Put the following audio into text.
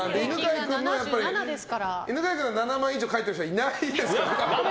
犬飼君で７枚以上書いている人はいないです。